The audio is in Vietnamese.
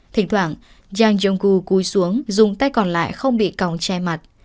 thỉnh thoảng giang jong gu cúi xuống dùng tay còn lại không bị còng che mặt